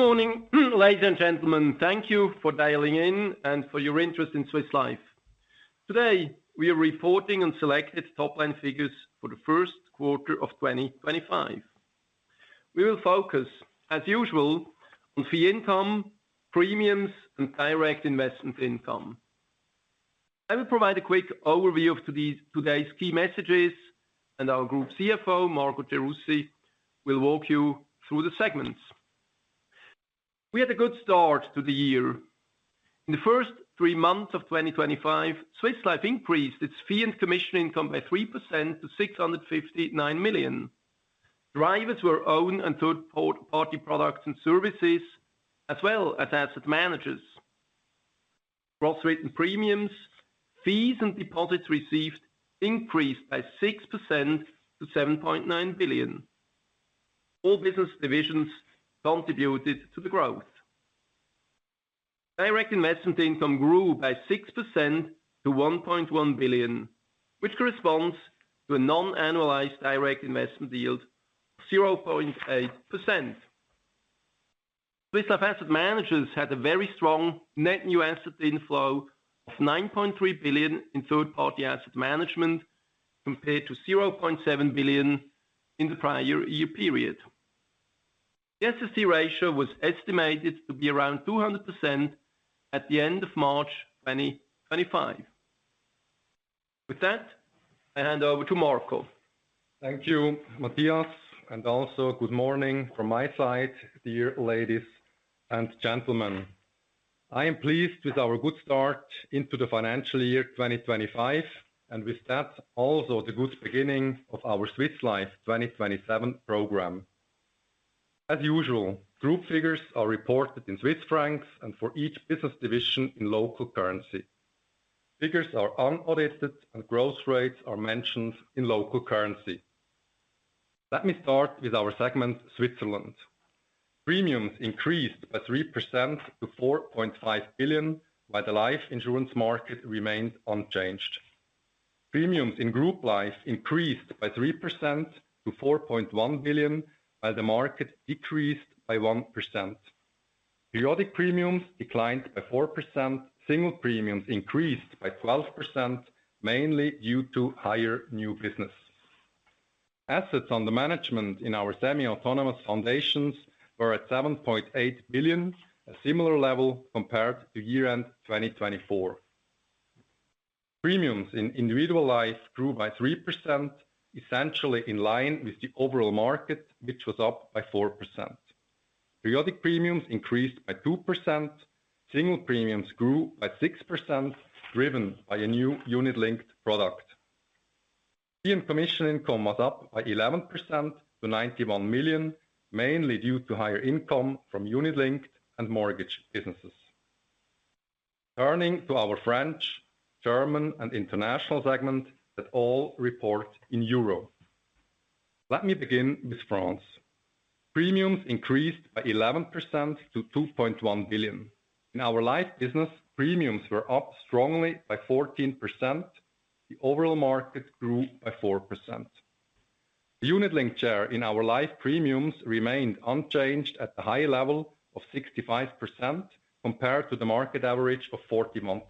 Good morning, ladies and gentlemen. Thank you for dialing in and for your interest in Swiss Life. Today, we are reporting on Selected Top-line Figures for the First Quarter of 2025. We will focus, as usual, on fee income, premiums, and direct investment income. I will provide a quick overview of today's key messages, and our Group CFO, Marco Gerussi, will walk you through the segments. We had a good start to the year. In the first three months of 2025, Swiss Life increased its fee and commission income by 3% to 659 million. Drivers were own and third-party products and services, as well as asset managers. Cross-written premiums, fees, and deposits received increased by 6% to 7.9 billion. All business divisions contributed to the growth. Direct investment income grew by 6% to 1.1 billion, which corresponds to a non-annualized direct investment yield of 0.8%. Swiss Life asset managers had a very strong net new asset inflow of 9.3 billion in third-party asset management, compared to 0.7 billion in the prior year period. The SST ratio was estimated to be around 200% at the end of March 2025. With that, I hand over to Marco. Thank you, Matthias, and also good morning from my side, dear ladies and gentlemen. I am pleased with our good start into the FY 2025, and with that, also the good beginning of our Swiss Life 2027 program. As usual, group figures are reported in CHF and for each business division in local currency. Figures are unaudited, and growth rates are mentioned in local currency. Let me start with our segment, Switzerland. Premiums increased by 3% to 4.5 billion, while the life insurance market remained unchanged. Premiums in group life increased by 3% to 4.1 billion, while the market decreased by 1%. Periodic premiums declined by 4%. Single premiums increased by 12%, mainly due to higher new business. Assets under management in our semi-autonomous foundations were at 7.8 billion, a similar level compared to year-end 2024. Premiums in individual life grew by 3%, essentially in line with the overall market, which was up by 4%. Periodic premiums increased by 2%. Single premiums grew by 6%, driven by a new unit-linked product. Fee and commission income was up by 11% to 91 million, mainly due to higher income from unit-linked and mortgage businesses. Turning to our French, German, and international segment that all report in euro. Let me begin with France. Premiums increased by 11% to 2.1 billion. In our life business, premiums were up strongly by 14%. The overall market grew by 4%. The unit-linked share in our life premiums remained unchanged at the high level of 65%, compared to the market average of 41%.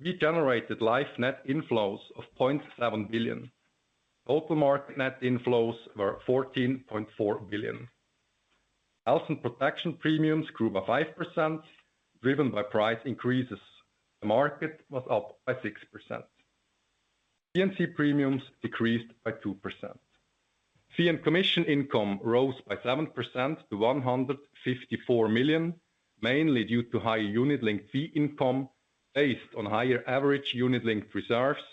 We generated life net inflows of 0.7 billion. Total market net inflows were 14.4 billion. Health and protection premiums grew by 5%, driven by price increases. The market was up by 6%. P&C premiums decreased by 2%. Fee and commission income rose by 7% to 154 million, mainly due to high unit-linked fee income based on higher average unit-linked reserves,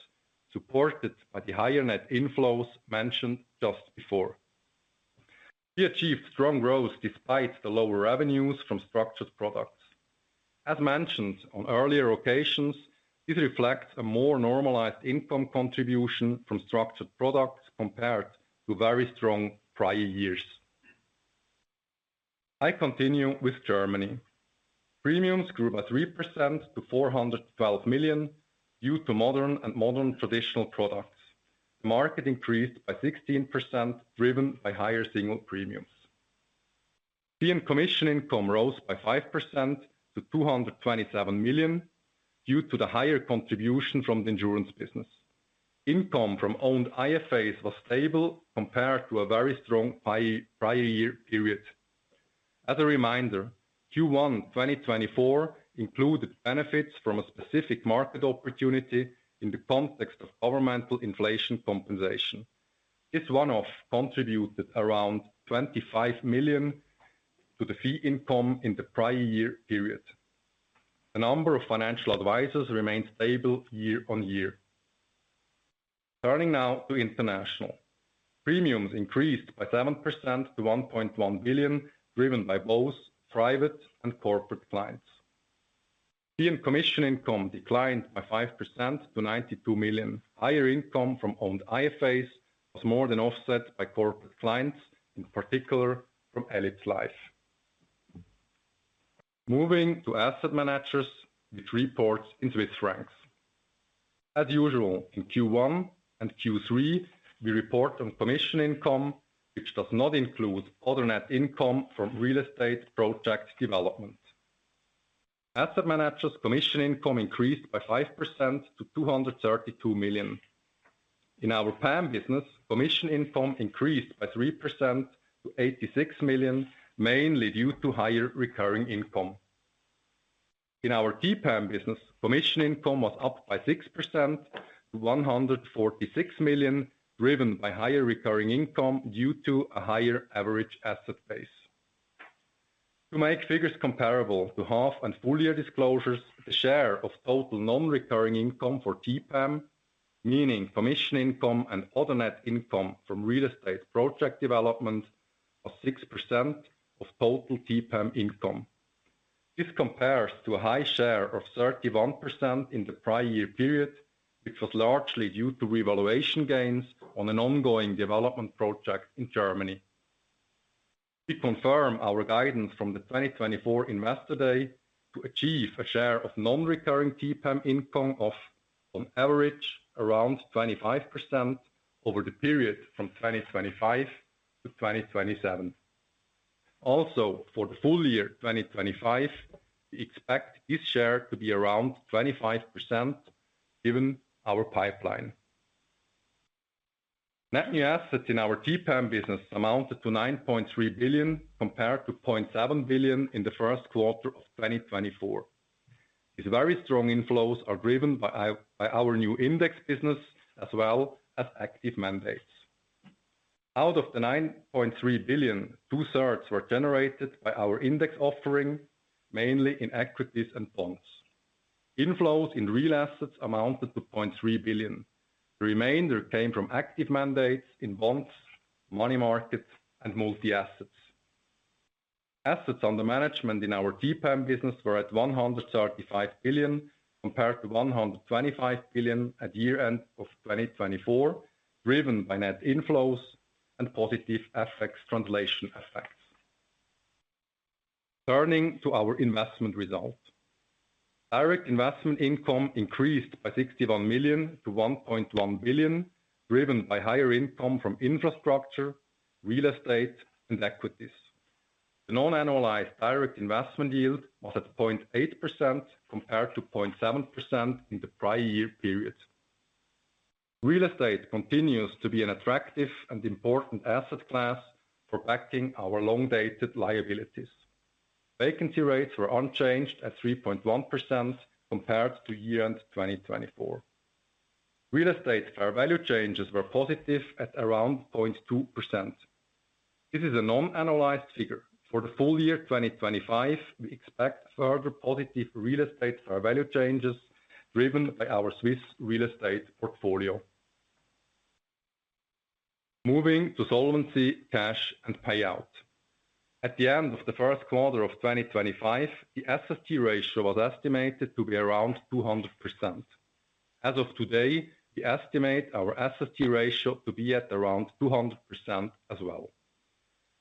supported by the higher net inflows mentioned just before. We achieved strong growth despite the lower revenues from structured products. As mentioned on earlier occasions, this reflects a more normalized income contribution from structured products compared to very strong prior years. I continue with Germany. Premiums grew by 3% to 412 million due to modern and modern traditional products. The market increased by 16%, driven by higher single premiums. Fee and commission income rose by 5% to 227 million due to the higher contribution from the insurance business. Income from owned IFAs was stable compared to a very strong prior year period. As a reminder, Q1 2024 included benefits from a specific market opportunity in the context of governmental inflation compensation. This one-off contributed around 25 million to the fee income in the prior year period. The number of financial advisors remained stable year on year. Turning now to international. Premiums increased by 7% to 1.1 billion, driven by both private and corporate clients. Fee and commission income declined by 5% to 92 million. Higher income from owned IFAs was more than offset by corporate clients, in particular from Elite Life. Moving to asset managers, which report in Swiss francs. As usual, in Q1 and Q3, we report on commission income, which does not include other net income from real estate project development. Asset managers' commission income increased by 5% to 232 million. In our PAM business, commission income increased by 3% to 86 million, mainly due to higher recurring income. In our TPAM business, commission income was up by 6% to 146 million, driven by higher recurring income due to a higher average asset base. To make figures comparable to half and full year disclosures, the share of total non-recurring income for TPAM, meaning commission income and other net income from real estate project development, was 6% of total TPAM income. This compares to a high share of 31% in the prior year period, which was largely due to revaluation gains on an ongoing development project in Germany. We confirm our guidance from the 2024 Investor Day to achieve a share of non-recurring TPAM income of, on average, around 25% over the period from 2025 to 2027. Also, for the full year 2025, we expect this share to be around 25%, given our pipeline. Net new assets in our TPAM business amounted to 9.3 billion, compared to 0.7 billion in the first quarter of 2024. These very strong inflows are driven by our new index business, as well as active mandates. Out of the 9.3 billion, two-thirds were generated by our index offering, mainly in equities and bonds. Inflows in real assets amounted to 0.3 billion. The remainder came from active mandates in bonds, money market, and multi-assets. Assets under management in our TPAM business were at 135 billion, compared to 125 billion at year-end of 2024, driven by net inflows and positive FX translation effects. Turning to our investment result. Direct investment income increased by 61 million to 1.1 billion, driven by higher income from infrastructure, real estate, and equities. The non-annualized direct investment yield was at 0.8% compared to 0.7% in the prior year period. Real estate continues to be an attractive and important asset class for backing our long-dated liabilities. Vacancy rates were unchanged at 3.1% compared to year-end 2024. Real estate fair value changes were positive at around 0.2%. This is a non-annualized figure. For the full year 2025, we expect further positive real estate fair value changes, driven by our Swiss real estate portfolio. Moving to solvency, cash, and payout. At the end of the first quarter of 2025, the SST ratio was estimated to be around 200%. As of today, we estimate our SST ratio to be at around 200% as well.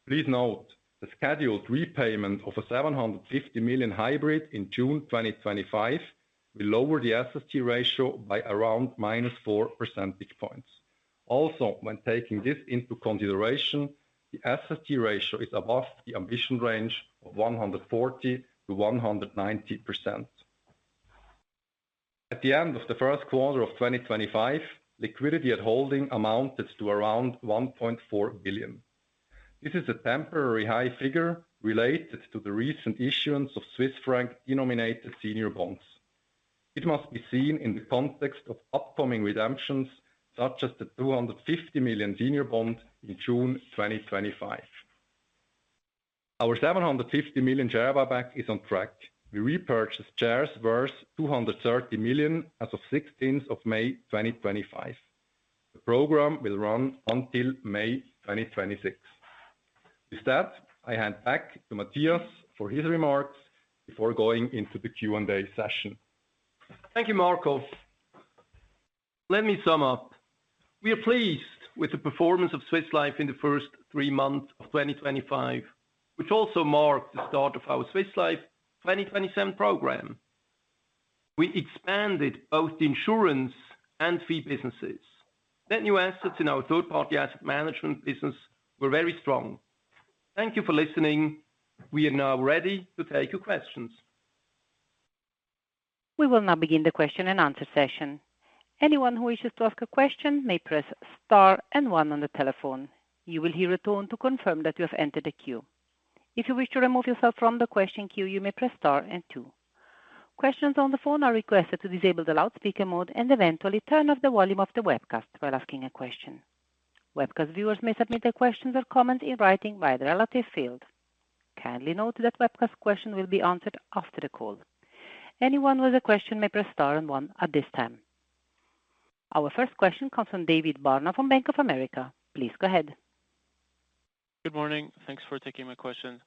Please note the scheduled repayment of a 750 million hybrid in June 2025 will lower the SST ratio by around minus 4 percentage points. Also, when taking this into consideration, the SST ratio is above the ambition range of 140%-190%. At the end of the first quarter of 2025, liquidity at holding amounted to around 1.4 billion. This is a temporary high figure related to the recent issuance of Swiss franc-denominated senior bonds. It must be seen in the context of upcoming redemptions, such as the 250 million senior bond in June 2025. Our 750 million share buyback is on track. We repurchased shares worth 230 million as of 16 May 2025. The program will run until May 2026. With that, I hand back to Matthias for his remarks before going into the Q&A session. Thank you, Marco. Let me sum up. We are pleased with the performance of Swiss Life in the first three months of 2025, which also marked the start of our Swiss Life 2027 program. We expanded both insurance and fee businesses. Net new assets in our third-party asset management business were very strong. Thank you for listening. We are now ready to take your questions. We will now begin the Q&A session. Anyone who wishes to ask a question may press star and one on the telephone. You will hear a tone to confirm that you have entered a queue. If you wish to remove yourself from the question queue, you may press star and two. Questions on the phone are requested to disable the loudspeaker mode and eventually turn off the volume of the webcast while asking a question. Webcast viewers may submit their questions or comments in writing via the relative field. Kindly note that webcast questions will be answered after the call. Anyone with a question may press star and one at this time. Our first question comes from David Barma from Bank of America. Please go ahead. Good morning. Thanks for taking my question.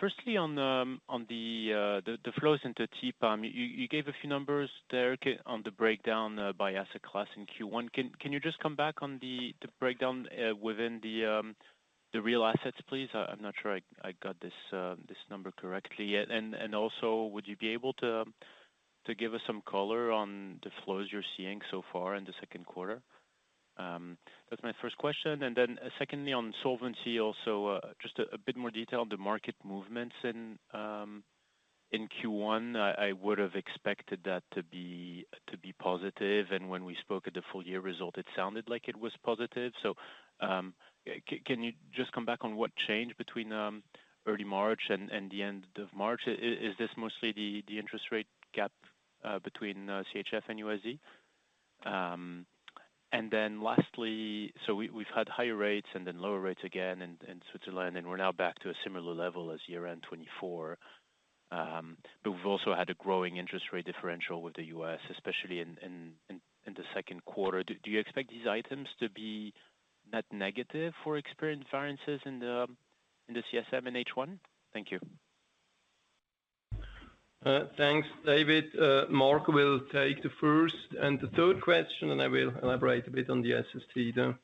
Firstly, on the flows into TPAM, you gave a few numbers there on the breakdown by asset class in Q1. Can you just come back on the breakdown within the real assets, please? I'm not sure I got this number correctly. Also, would you be able to give us some color on the flows you're seeing so far in the second quarter? That's my first question. Secondly, on solvency, also just a bit more detail on the market movements in Q1. I would have expected that to be positive. When we spoke of the full year result, it sounded like it was positive. Can you just come back on what changed between early March and the end of March? Is this mostly the interest rate gap between CHF and USD? We've had higher rates and then lower rates again in Switzerland, and we're now back to a similar level as year-end 2024. We've also had a growing interest rate differential with the U.S., especially in the second quarter. Do you expect these items to be net negative for experienced variances in the CSM in H1? Thank you. Thanks, David. Marco will take the first and the third question, and I will elaborate a bit on the SST there.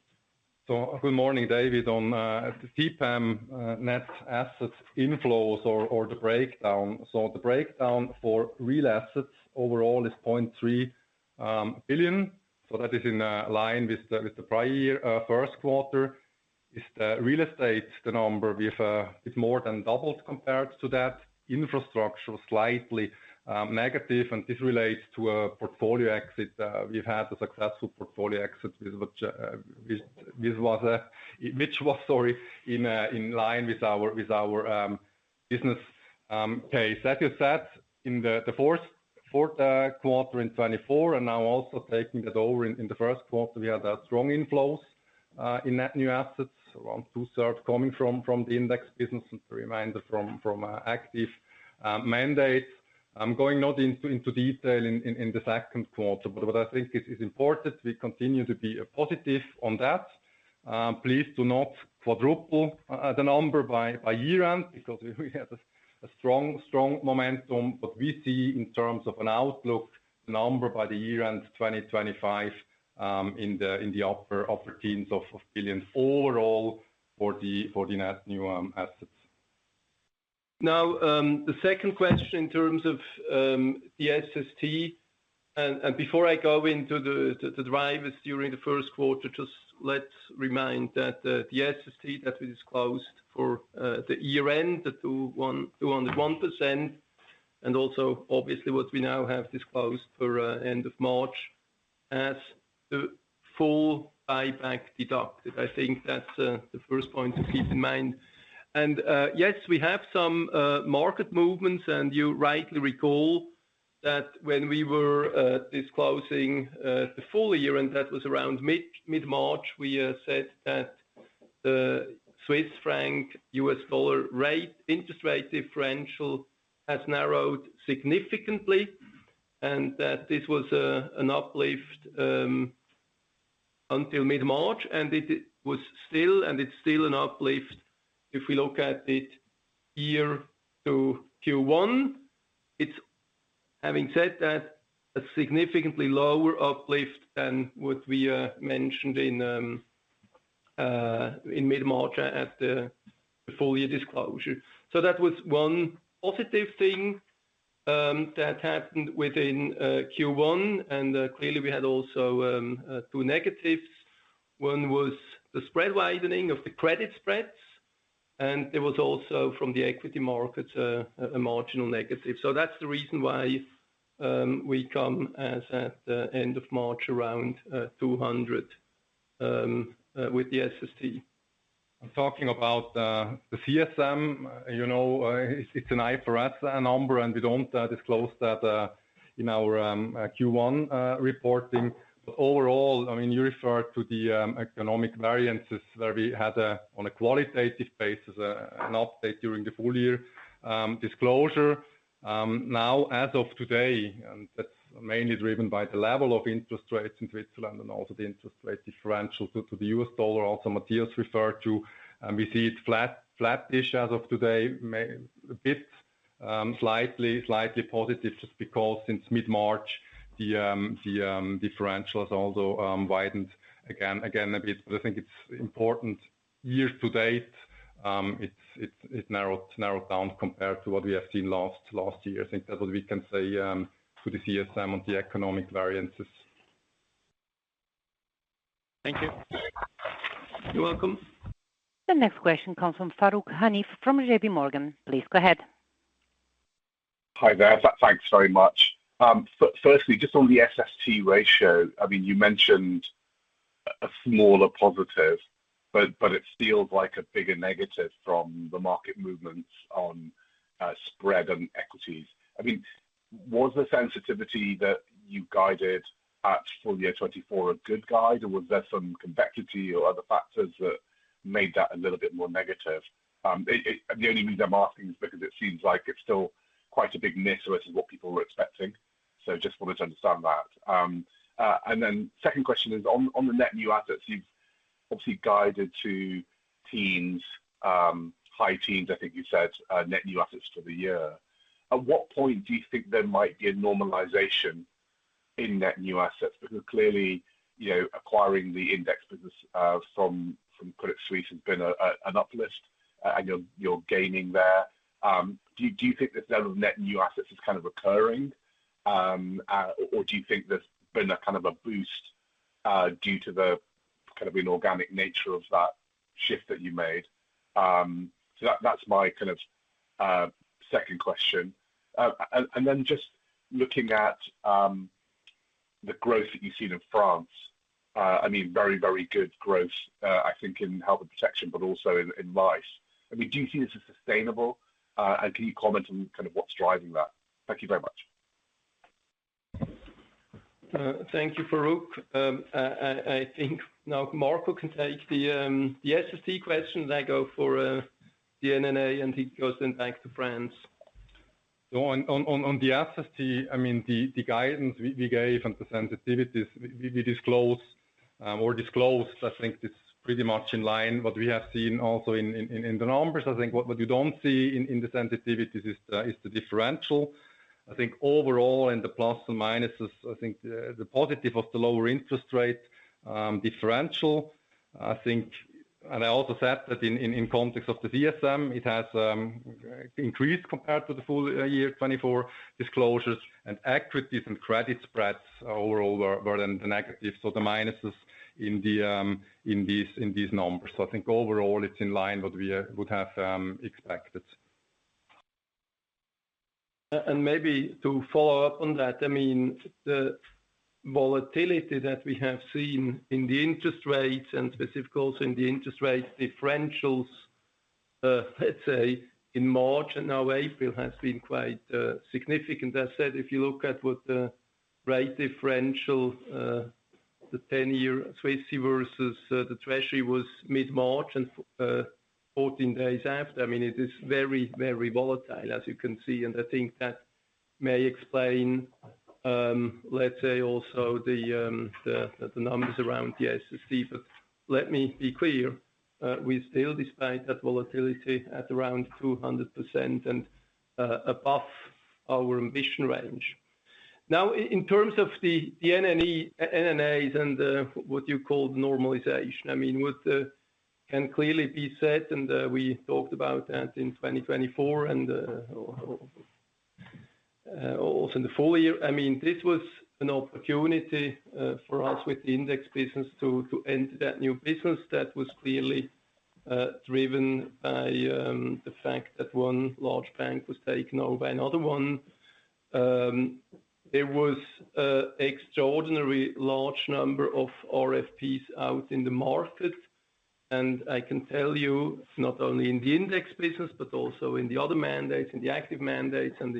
Good morning, David. On the TPAM net asset inflows or the breakdown. The breakdown for real assets overall is 0.3 billion. That is in line with the prior year first quarter. Real estate, the number, we have more than doubled compared to that. Infrastructure was slightly negative, and this relates to a portfolio exit. We have had a successful portfolio exit, which was in line with our business case. That is said in the fourth quarter in 2024, and now also taking that over in the first quarter, we had strong inflows in net new assets, around two-thirds coming from the index business and the remainder from active mandates. I am not going into detail in the second quarter, but what I think is important, we continue to be positive on that. Please do not quadruple the number by year-end because we had strong momentum. We see in terms of an outlook, the number by the year-end 2025 in the upper teens of billion overall for the net new assets. The second question in terms of the SST, and before I go into the drivers during the first quarter, just let's remind that the SST that we disclosed for the year-end, the 201%, and also obviously what we now have disclosed for end of March has the full buyback deducted. I think that's the first point to keep in mind. Yes, we have some market movements, and you rightly recall that when we were disclosing the full year, and that was around mid-March, we said that the Swiss franc-US dollar interest rate differential has narrowed significantly and that this was an uplift until mid-March. It was still, and it's still an uplift if we look at it year to Q1. It's, having said that, a significantly lower uplift than what we mentioned in mid-March at the full year disclosure. That was one positive thing that happened within Q1. Clearly, we had also two negatives. One was the spread widening of the credit spreads, and there was also from the equity markets a marginal negative. That's the reason why we come at the end of March around 200 with the SST. Talking about the CSM, you know it's an eye for eyes number, and we don't disclose that in our Q1 reporting. Overall, I mean, you referred to the economic variances where we had on a qualitative basis an update during the full year disclosure. Now, as of today, and that's mainly driven by the level of interest rates in Switzerland and also the interest rate differential to the US dollar, also Matthias referred to, we see it flat-ish as of today, a bit slightly positive just because since mid-March, the differential has also widened again a bit. I think it's important year to date, it narrowed down compared to what we have seen last year. I think that's what we can say to the CSM on the economic variances. Thank you. You're welcome. The next question comes from Farooq Hanif from JPMorgan. Please go ahead. Hi there. Thanks very much. Firstly, just on the SST ratio, I mean, you mentioned a smaller positive, but it feels like a bigger negative from the market movements on spread and equities. I mean, was the sensitivity that you guided at full year 2024 a good guide, or was there some complexity or other factors that made that a little bit more negative? The only reason I'm asking is because it seems like it's still quite a big miss, this is what people were expecting. I just wanted to understand that. Second question is on the net new assets, you've obviously guided to high teens, I think you said, net new assets for the year. At what point do you think there might be a normalization in net new assets? Because clearly, acquiring the index business from Credit Suisse has been an uplift, and you're gaining there. Do you think this level of net new assets is kind of recurring, or do you think there's been a kind of a boost due to the kind of inorganic nature of that shift that you made? That's my kind of second question. Just looking at the growth that you've seen in France, I mean, very, very good growth, I think, in health and protection, but also in life. I mean, do you see this as sustainable, and can you comment on kind of what's driving that? Thank you very much. Thank you, Farooq. I think now Marco can take the SST question, and I go for the NNA, and he goes then back to France. On the SST, I mean, the guidance we gave and the sensitivities we disclosed, I think it's pretty much in line with what we have seen also in the numbers. I think what you don't see in the sensitivities is the differential. I think overall, in the plus and minuses, the positive of the lower interest rate differential, I think, and I also said that in context of the CSM, it has increased compared to the full year 2024 disclosures. Equities and credit spreads overall were the negatives, so the minuses in these numbers. I think overall, it's in line with what we would have expected. Maybe to follow up on that, I mean, the volatility that we have seen in the interest rates and specifically also in the interest rate differentials, let's say, in March and now April has been quite significant. As I said, if you look at what the rate differential, the 10-year Swiss versus the Treasury was mid-March and 14 days after, I mean, it is very, very volatile, as you can see. I think that may explain, let's say, also the numbers around the SST. Let me be clear, we still despite that volatility at around 200% and above our ambition range. Now, in terms of the NNAs and what you call normalization, I mean, what can clearly be said, and we talked about that in 2024 and also in the full year, I mean, this was an opportunity for us with the index business to enter that new business that was clearly driven by the fact that one large bank was taken over by another one. There was an extraordinary large number of RFPs out in the market. I can tell you, not only in the index business, but also in the other mandates, in the active mandates, and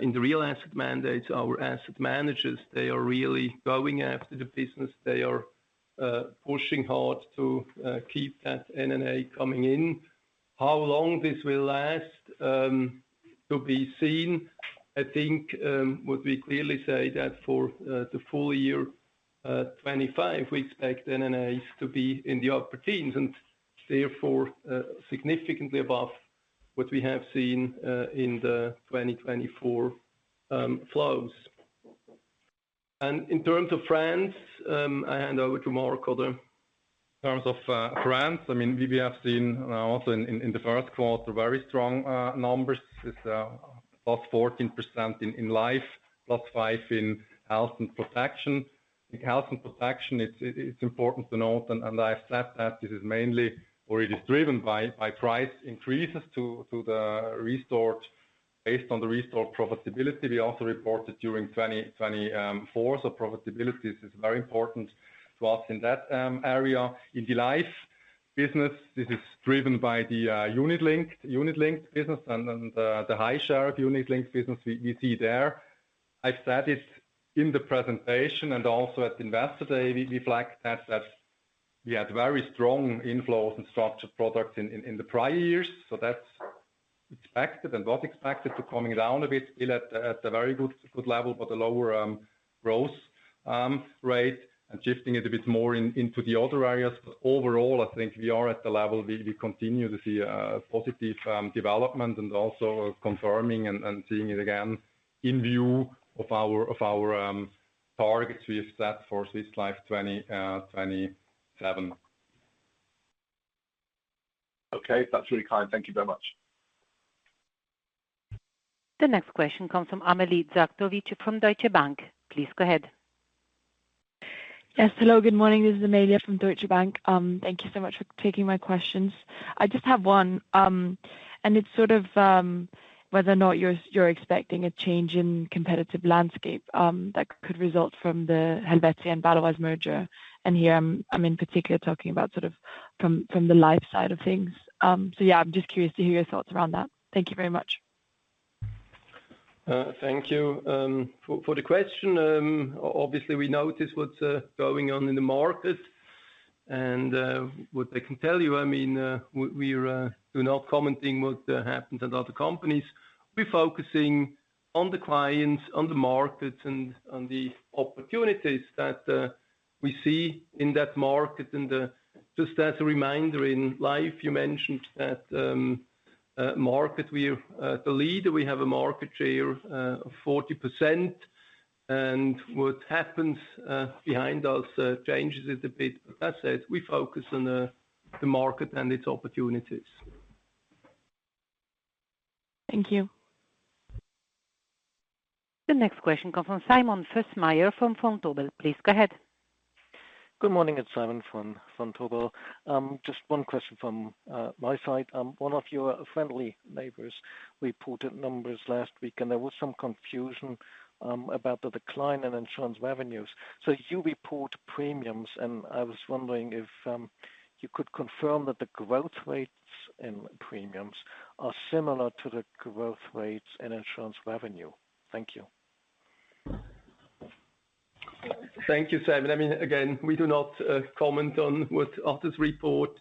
in the real asset mandates, our asset managers, they are really going after the business. They are pushing hard to keep that NNA coming in. How long this will last to be seen, I think what we clearly say that for the full year 2025, we expect NNAs to be in the upper teens and therefore significantly above what we have seen in the 2024 flows. In terms of France, I hand over to Marco there. In terms of France, I mean, we have seen also in the first quarter very strong numbers. It's plus 14% in life, plus 5% in health and protection. Health and protection, it's important to note, and I've said that this is mainly or it is driven by price increases to the restored based on the restored profitability. We also reported during 2024, so profitability is very important to us in that area. In the life business, this is driven by the unit-linked business and the high share of unit-linked business we see there. I've said it in the presentation and also at Investor Day, we flagged that we had very strong inflows and structured products in the prior years. That is expected and was expected to come down a bit, still at a very good level, but a lower growth rate and shifting it a bit more into the other areas. Overall, I think we are at the level we continue to see positive development and also confirming and seeing it again in view of our targets we have set for Swiss Life 2027. Okay, that's really kind. Thank you very much. The next question comes from Amalie Zdravkovic from Deutsche Bank. Please go ahead. Yes, hello, good morning. This is Amalie Zdravkovic from Deutsche Bank. Thank you so much for taking my questions. I just have one, and it's sort of whether or not you're expecting a change in competitive landscape that could result from the Helvetia and Baloise merger. Here, I'm in particular talking about sort of from the life side of things. Yeah, I'm just curious to hear your thoughts around that. Thank you very much. Thank you for the question. Obviously, we notice what's going on in the market. What I can tell you, I mean, we're not commenting what happens at other companies. We're focusing on the clients, on the markets, and on the opportunities that we see in that market. Just as a reminder in life, you mentioned that market, we're the leader. We have a market share of 40%. What happens behind us changes it a bit. As I said, we focus on the market and its opportunities. Thank you. The next question comes from Simon Fossmeier from Vontobel. Please go ahead. Good morning. It's Simon from Vontobel. Just one question from my side. One of your friendly neighbors reported numbers last week, and there was some confusion about the decline in insurance revenues. You report premiums, and I was wondering if you could confirm that the growth rates in premiums are similar to the growth rates in insurance revenue. Thank you. Thank you, Simon. I mean, again, we do not comment on what others report.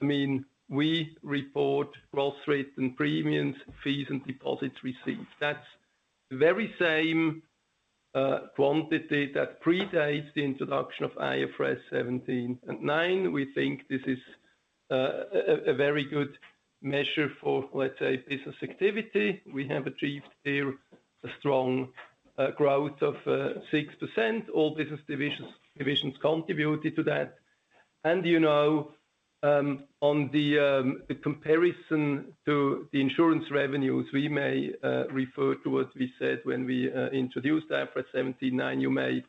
I mean, we report growth rates in premiums, fees, and deposits received. That is the very same quantity that predates the introduction of IFRS 17 and 9. We think this is a very good measure for, let's say, business activity. We have achieved here a strong growth of 6%. All business divisions contributed to that. You know, on the comparison to the insurance revenues, we may refer to what we said when we introduced IFRS 17 and 9. You may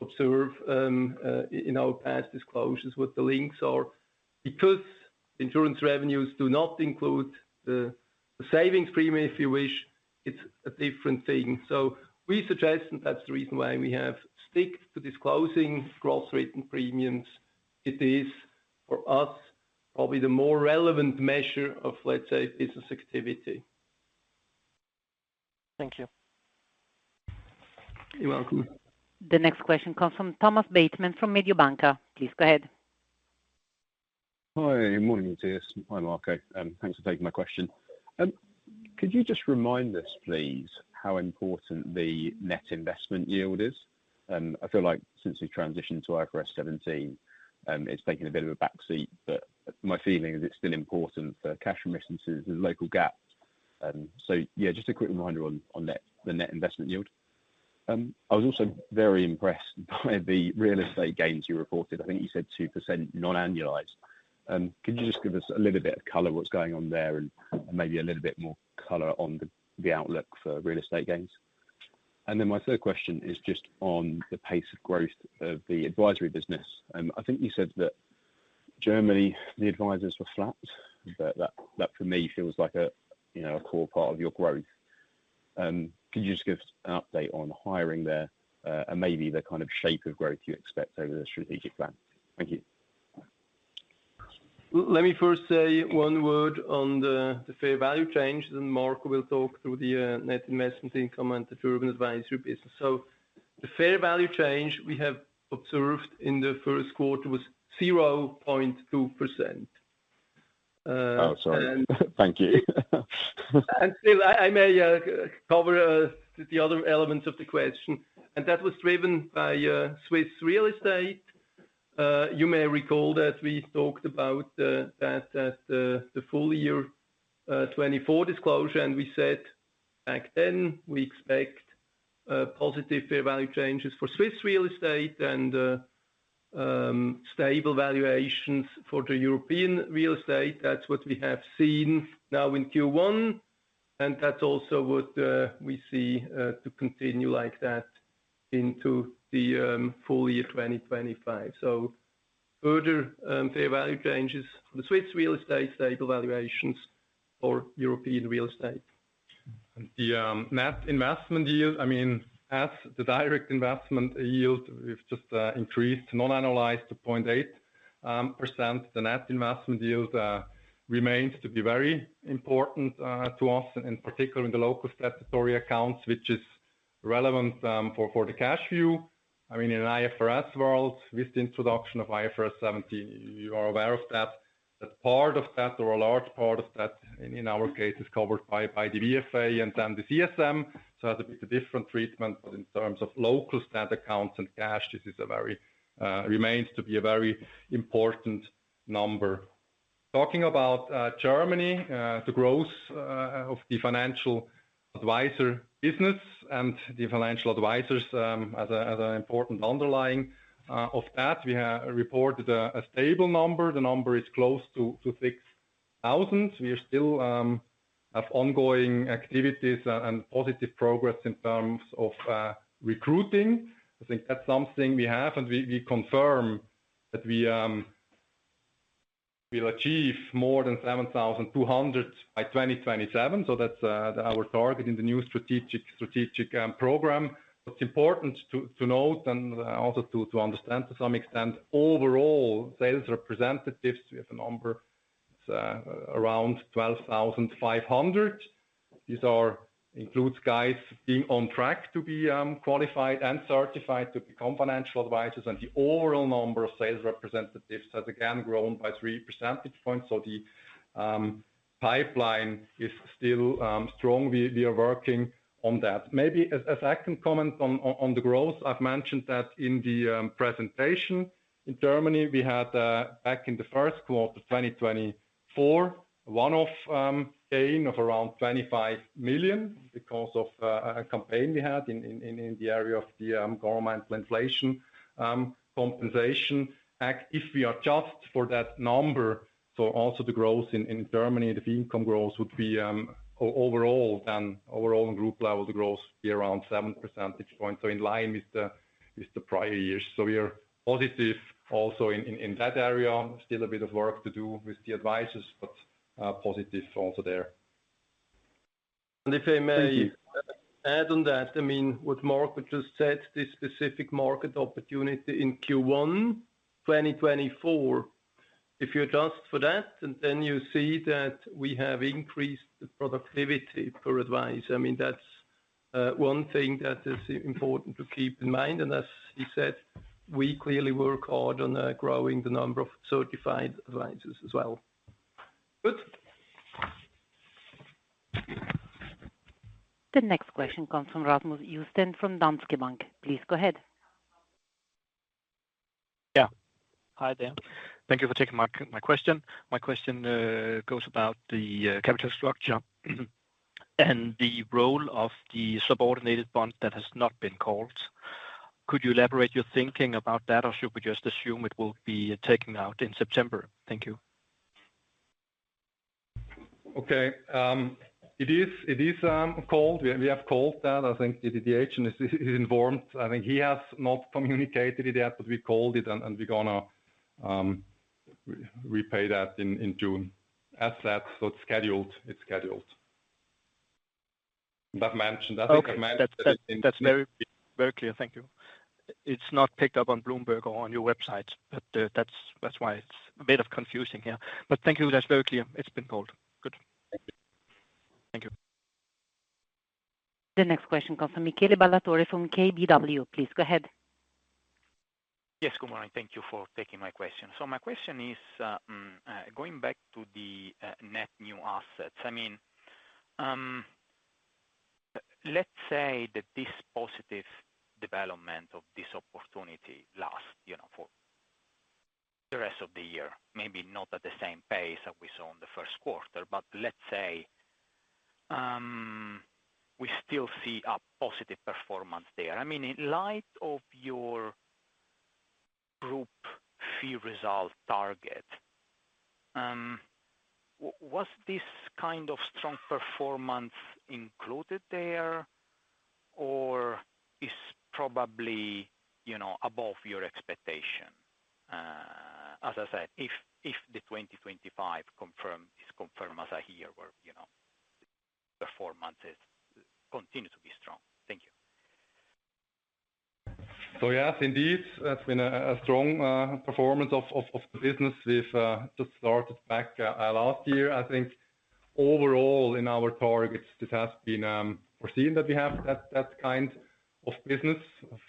observe in our past disclosures what the links are. Because the insurance revenues do not include the savings premium, if you wish, it is a different thing. We suggest that is the reason why we have stuck to disclosing growth rate in premiums. It is, for us, probably the more relevant measure of, let's say, business activity. Thank you. You're welcome. The next question comes from Thomas Bateman from Mediobanca. Please go ahead. Hi, good morning, Matthias. Hi, Marco. Thanks for taking my question. Could you just remind us, please, how important the net investment yield is? I feel like since we've transitioned to IFRS 17, it's taken a bit of a backseat, but my feeling is it's still important for cash remittances and local GAAPs. So yeah, just a quick reminder on the net investment yield. I was also very impressed by the real estate gains you reported. I think you said 2% non-annualized. Could you just give us a little bit of color what's going on there and maybe a little bit more color on the outlook for real estate gains? My third question is just on the pace of growth of the advisory business. I think you said that Germany, the advisors were flat, but that for me feels like a core part of your growth. Could you just give an update on hiring there and maybe the kind of shape of growth you expect over the strategic plan? Thank you. Let me first say one word on the fair value change, and then Marco will talk through the net investment income and the German advisory business. The fair value change we have observed in the first quarter was 0.2%. Oh, sorry. Thank you. I may cover the other elements of the question. That was driven by Swiss real estate. You may recall that we talked about that at the full year 2024 disclosure, and we said back then we expect positive fair value changes for Swiss real estate and stable valuations for the European real estate. That is what we have seen now in Q1, and that is also what we see to continue like that into the full year 2025. Further fair value changes for the Swiss real estate, stable valuations for European real estate. The net investment yield, I mean, as the direct investment yield, we've just increased non-annualized to 0.8%. The net investment yield remains to be very important to us, in particular in the local statutory accounts, which is relevant for the cash view. I mean, in an IFRS world, with the introduction of IFRS 17, you are aware of that. Part of that, or a large part of that, in our case, is covered by the BFA and then the CSM. So it has a bit of different treatment, but in terms of local stat accounts and cash, this remains to be a very important number. Talking about Germany, the growth of the financial advisor business and the financial advisors as an important underlying of that, we reported a stable number. The number is close to 6,000. We still have ongoing activities and positive progress in terms of recruiting. I think that's something we have, and we confirm that we will achieve more than 7,200 by 2027. That's our target in the new strategic program. It's important to note and also to understand to some extent, overall sales representatives, we have a number around 12,500. These include guys being on track to be qualified and certified to become financial advisors. The overall number of sales representatives has again grown by 3 percentage points. The pipeline is still strong. We are working on that. Maybe as I can comment on the growth, I mentioned that in the presentation in Germany, we had back in the first quarter 2024, one-off gain of around 25 million because of a campaign we had in the area of the government inflation compensation act. If we adjust for that number, so also the growth in Germany, the income growth would be overall, then overall on group level, the growth would be around 7 percentage points. In line with the prior years. We are positive also in that area. Still a bit of work to do with the advisors, but positive also there. If I may add on that, I mean, what Marco just said, this specific market opportunity in Q1 2024, if you adjust for that, and then you see that we have increased the productivity per advisor. I mean, that's one thing that is important to keep in mind. As he said, we clearly work hard on growing the number of certified advisors as well. Good. The next question comes from [Rasmus Husten] from Danske Bank. Please go ahead. Yeah. Hi, there. Thank you for taking my question. My question goes about the capital structure and the role of the subordinated bond that has not been called. Could you elaborate your thinking about that, or should we just assume it will be taken out in September? Thank you. Okay. It is called. We have called that. I think the agent is informed. I think he has not communicated it yet, but we called it, and we're going to repay that in June. As said, it is scheduled. It is scheduled. I've mentioned that. That's very clear. Thank you. It's not picked up on Bloomberg or on your website, that's why it's a bit confusing here. Thank you. That's very clear. It's been called. Good. Thank you. The next question comes from Michele Ballatore from KBW. Please go ahead. Yes, good morning. Thank you for taking my question. My question is going back to the net new assets. I mean, let's say that this positive development of this opportunity lasts for the rest of the year. Maybe not at the same pace that we saw in the first quarter, but let's say we still see a positive performance there. I mean, in light of your group fee result target, was this kind of strong performance included there, or is it probably above your expectation? As I said, if the 2025 confirm is confirmed as a year where performance continues to be strong. Thank you. Yes, indeed, that's been a strong performance of the business. We've just started back last year. I think overall in our targets, it has been foreseen that we have that kind of business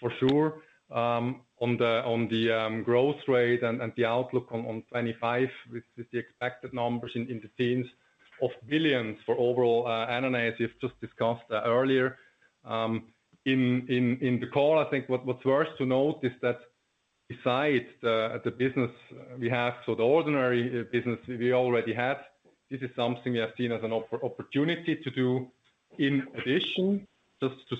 for sure. On the growth rate and the outlook on 2025 with the expected numbers in the tens of billions for overall annualized, we've just discussed earlier in the call. I think what's worth to note is that besides the business we have, so the ordinary business we already had, this is something we have seen as an opportunity to do in addition just to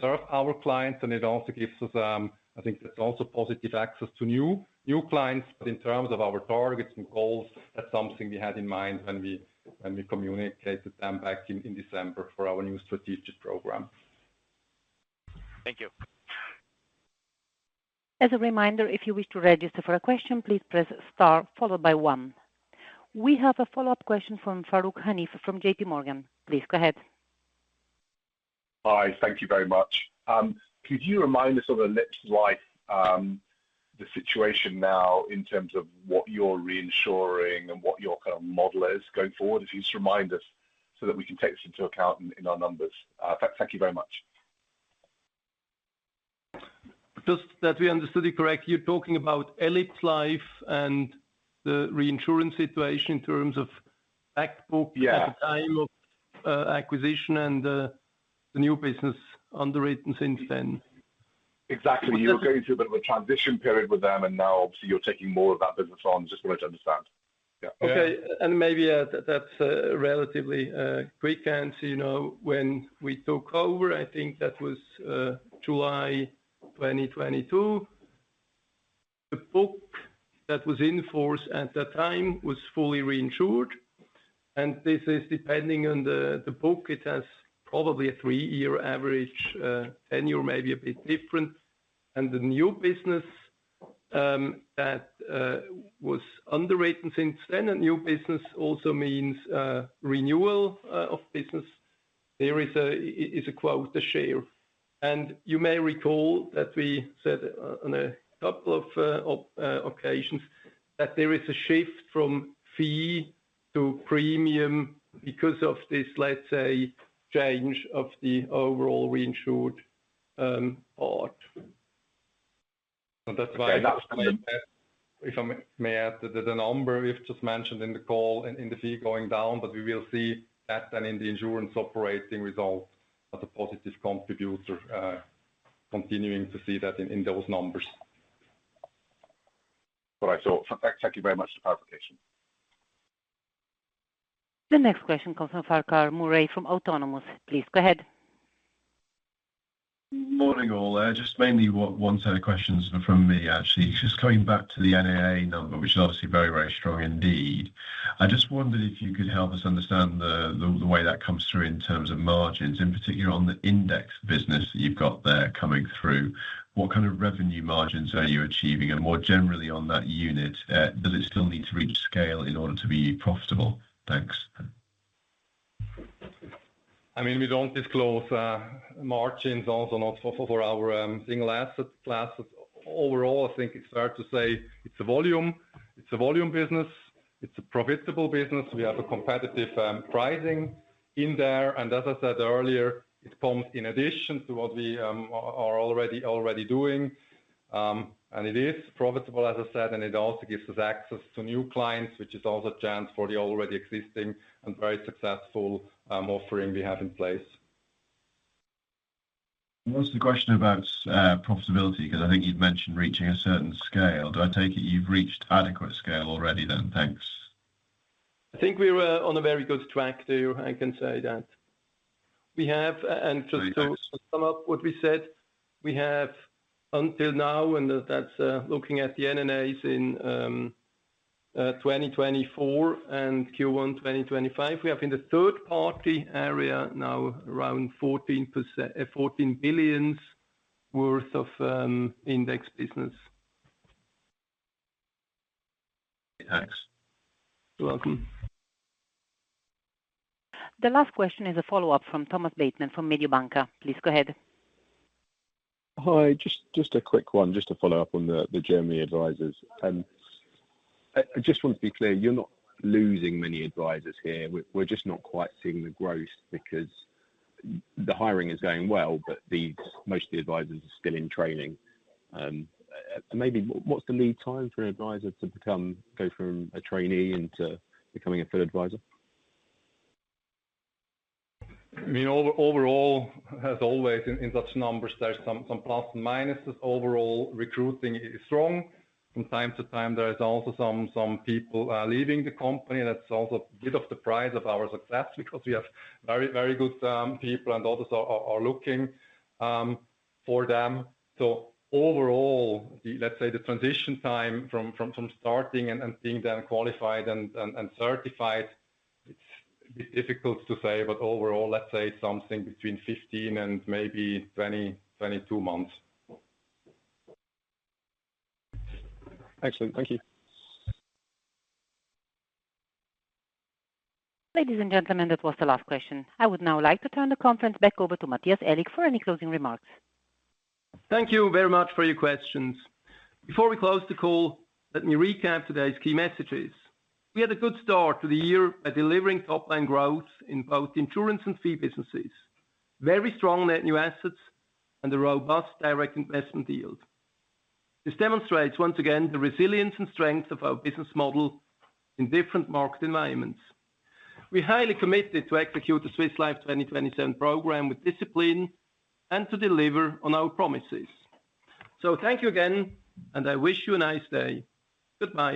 serve our clients. It also gives us, I think that's also positive, access to new clients. In terms of our targets and goals, that's something we had in mind when we communicated them back in December for our new strategic program. Thank you. As a reminder, if you wish to register for a question, please press star followed by one. We have a follow-up question from Farooq Hanif from JPMorgan. Please go ahead. Hi, thank you very much. Could you remind us of elipsLife, the situation now in terms of what you're reinsuring and what your kind of model is going forward? If you just remind us so that we can take this into account in our numbers. Thank you very much. Just that we understood it correct, you're talking about elipsLife and the reinsurance situation in terms of backbook at the time of acquisition and the new business underwritten since then. Exactly. You were going through a bit of a transition period with them, and now obviously you're taking more of that business on. Just wanted to understand. Yeah. Okay. Maybe that's a relatively quick answer. When we took over, I think that was July 2022. The book that was in force at that time was fully reinsured. This is depending on the book. It has probably a three-year average tenure, maybe a bit different. The new business that was underwritten since then, new business also means renewal of business. There is a quota share. You may recall that we said on a couple of occasions that there is a shift from fee to premium because of this, let's say, change of the overall reinsured part. That's why. That was. If I may add that the number we've just mentioned in the call and in the fee going down, but we will see that then in the insurance operating result as a positive contributor, continuing to see that in those numbers. All right. Thank you very much for the clarification. The next question comes from Farquhar Murray from Autonomous. Please go ahead. Morning, all. Just mainly one set of questions from me, actually. Just coming back to the NAA number, which is obviously very, very strong indeed. I just wondered if you could help us understand the way that comes through in terms of margins, in particular on the index business that you've got there coming through. What kind of revenue margins are you achieving? And more generally on that unit, does it still need to reach scale in order to be profitable? Thanks. I mean, we do not disclose margins also for our single asset class. Overall, I think it is fair to say it is a volume. It is a volume business. It is a profitable business. We have a competitive pricing in there. As I said earlier, it comes in addition to what we are already doing. It is profitable, as I said, and it also gives us access to new clients, which is also a chance for the already existing and very successful offering we have in place. What's the question about profitability? Because I think you've mentioned reaching a certain scale. Do I take it you've reached adequate scale already then? Thanks. I think we're on a very good track there. I can say that. Just to sum up what we said, we have until now, and that's looking at the NNAs in 2024 and Q1 2025, we have in the third-party area now around 14 billion worth of index business. Thanks. You're welcome. The last question is a follow-up from Thomas Bateman from Mediobanca. Please go ahead. Hi. Just a quick one, just to follow up on the Germany advisors. I just want to be clear, you're not losing many advisors here. We're just not quite seeing the growth because the hiring is going well, but most of the advisors are still in training. Maybe what's the lead time for an advisor to go from a trainee into becoming a full advisor? I mean, overall, as always, in such numbers, there's some plus and minuses. Overall, recruiting is strong. From time to time, there is also some people leaving the company. That's also a bit of the price of our success because we have very good people and others are looking for them. So overall, let's say the transition time from starting and being then qualified and certified, it's a bit difficult to say, but overall, let's say something between 15 and maybe 20-22 months. Excellent. Thank you. Ladies and gentlemen, that was the last question. I would now like to turn the conference back over to Matthias Aellig for any closing remarks. Thank you very much for your questions. Before we close the call, let me recap today's key messages. We had a good start to the year by delivering top-line growth in both insurance and fee businesses, very strong net new assets, and a robust direct investment yield. This demonstrates once again the resilience and strength of our business model in different market environments. We are highly committed to execute the Swiss Life 2027 program with discipline and to deliver on our promises. Thank you again, and I wish you a nice day. Goodbye.